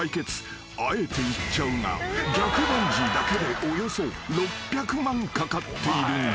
［あえて言っちゃうが逆バンジーだけでおよそ６００万かかっているんだ］